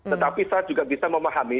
tetapi saya juga bisa memahami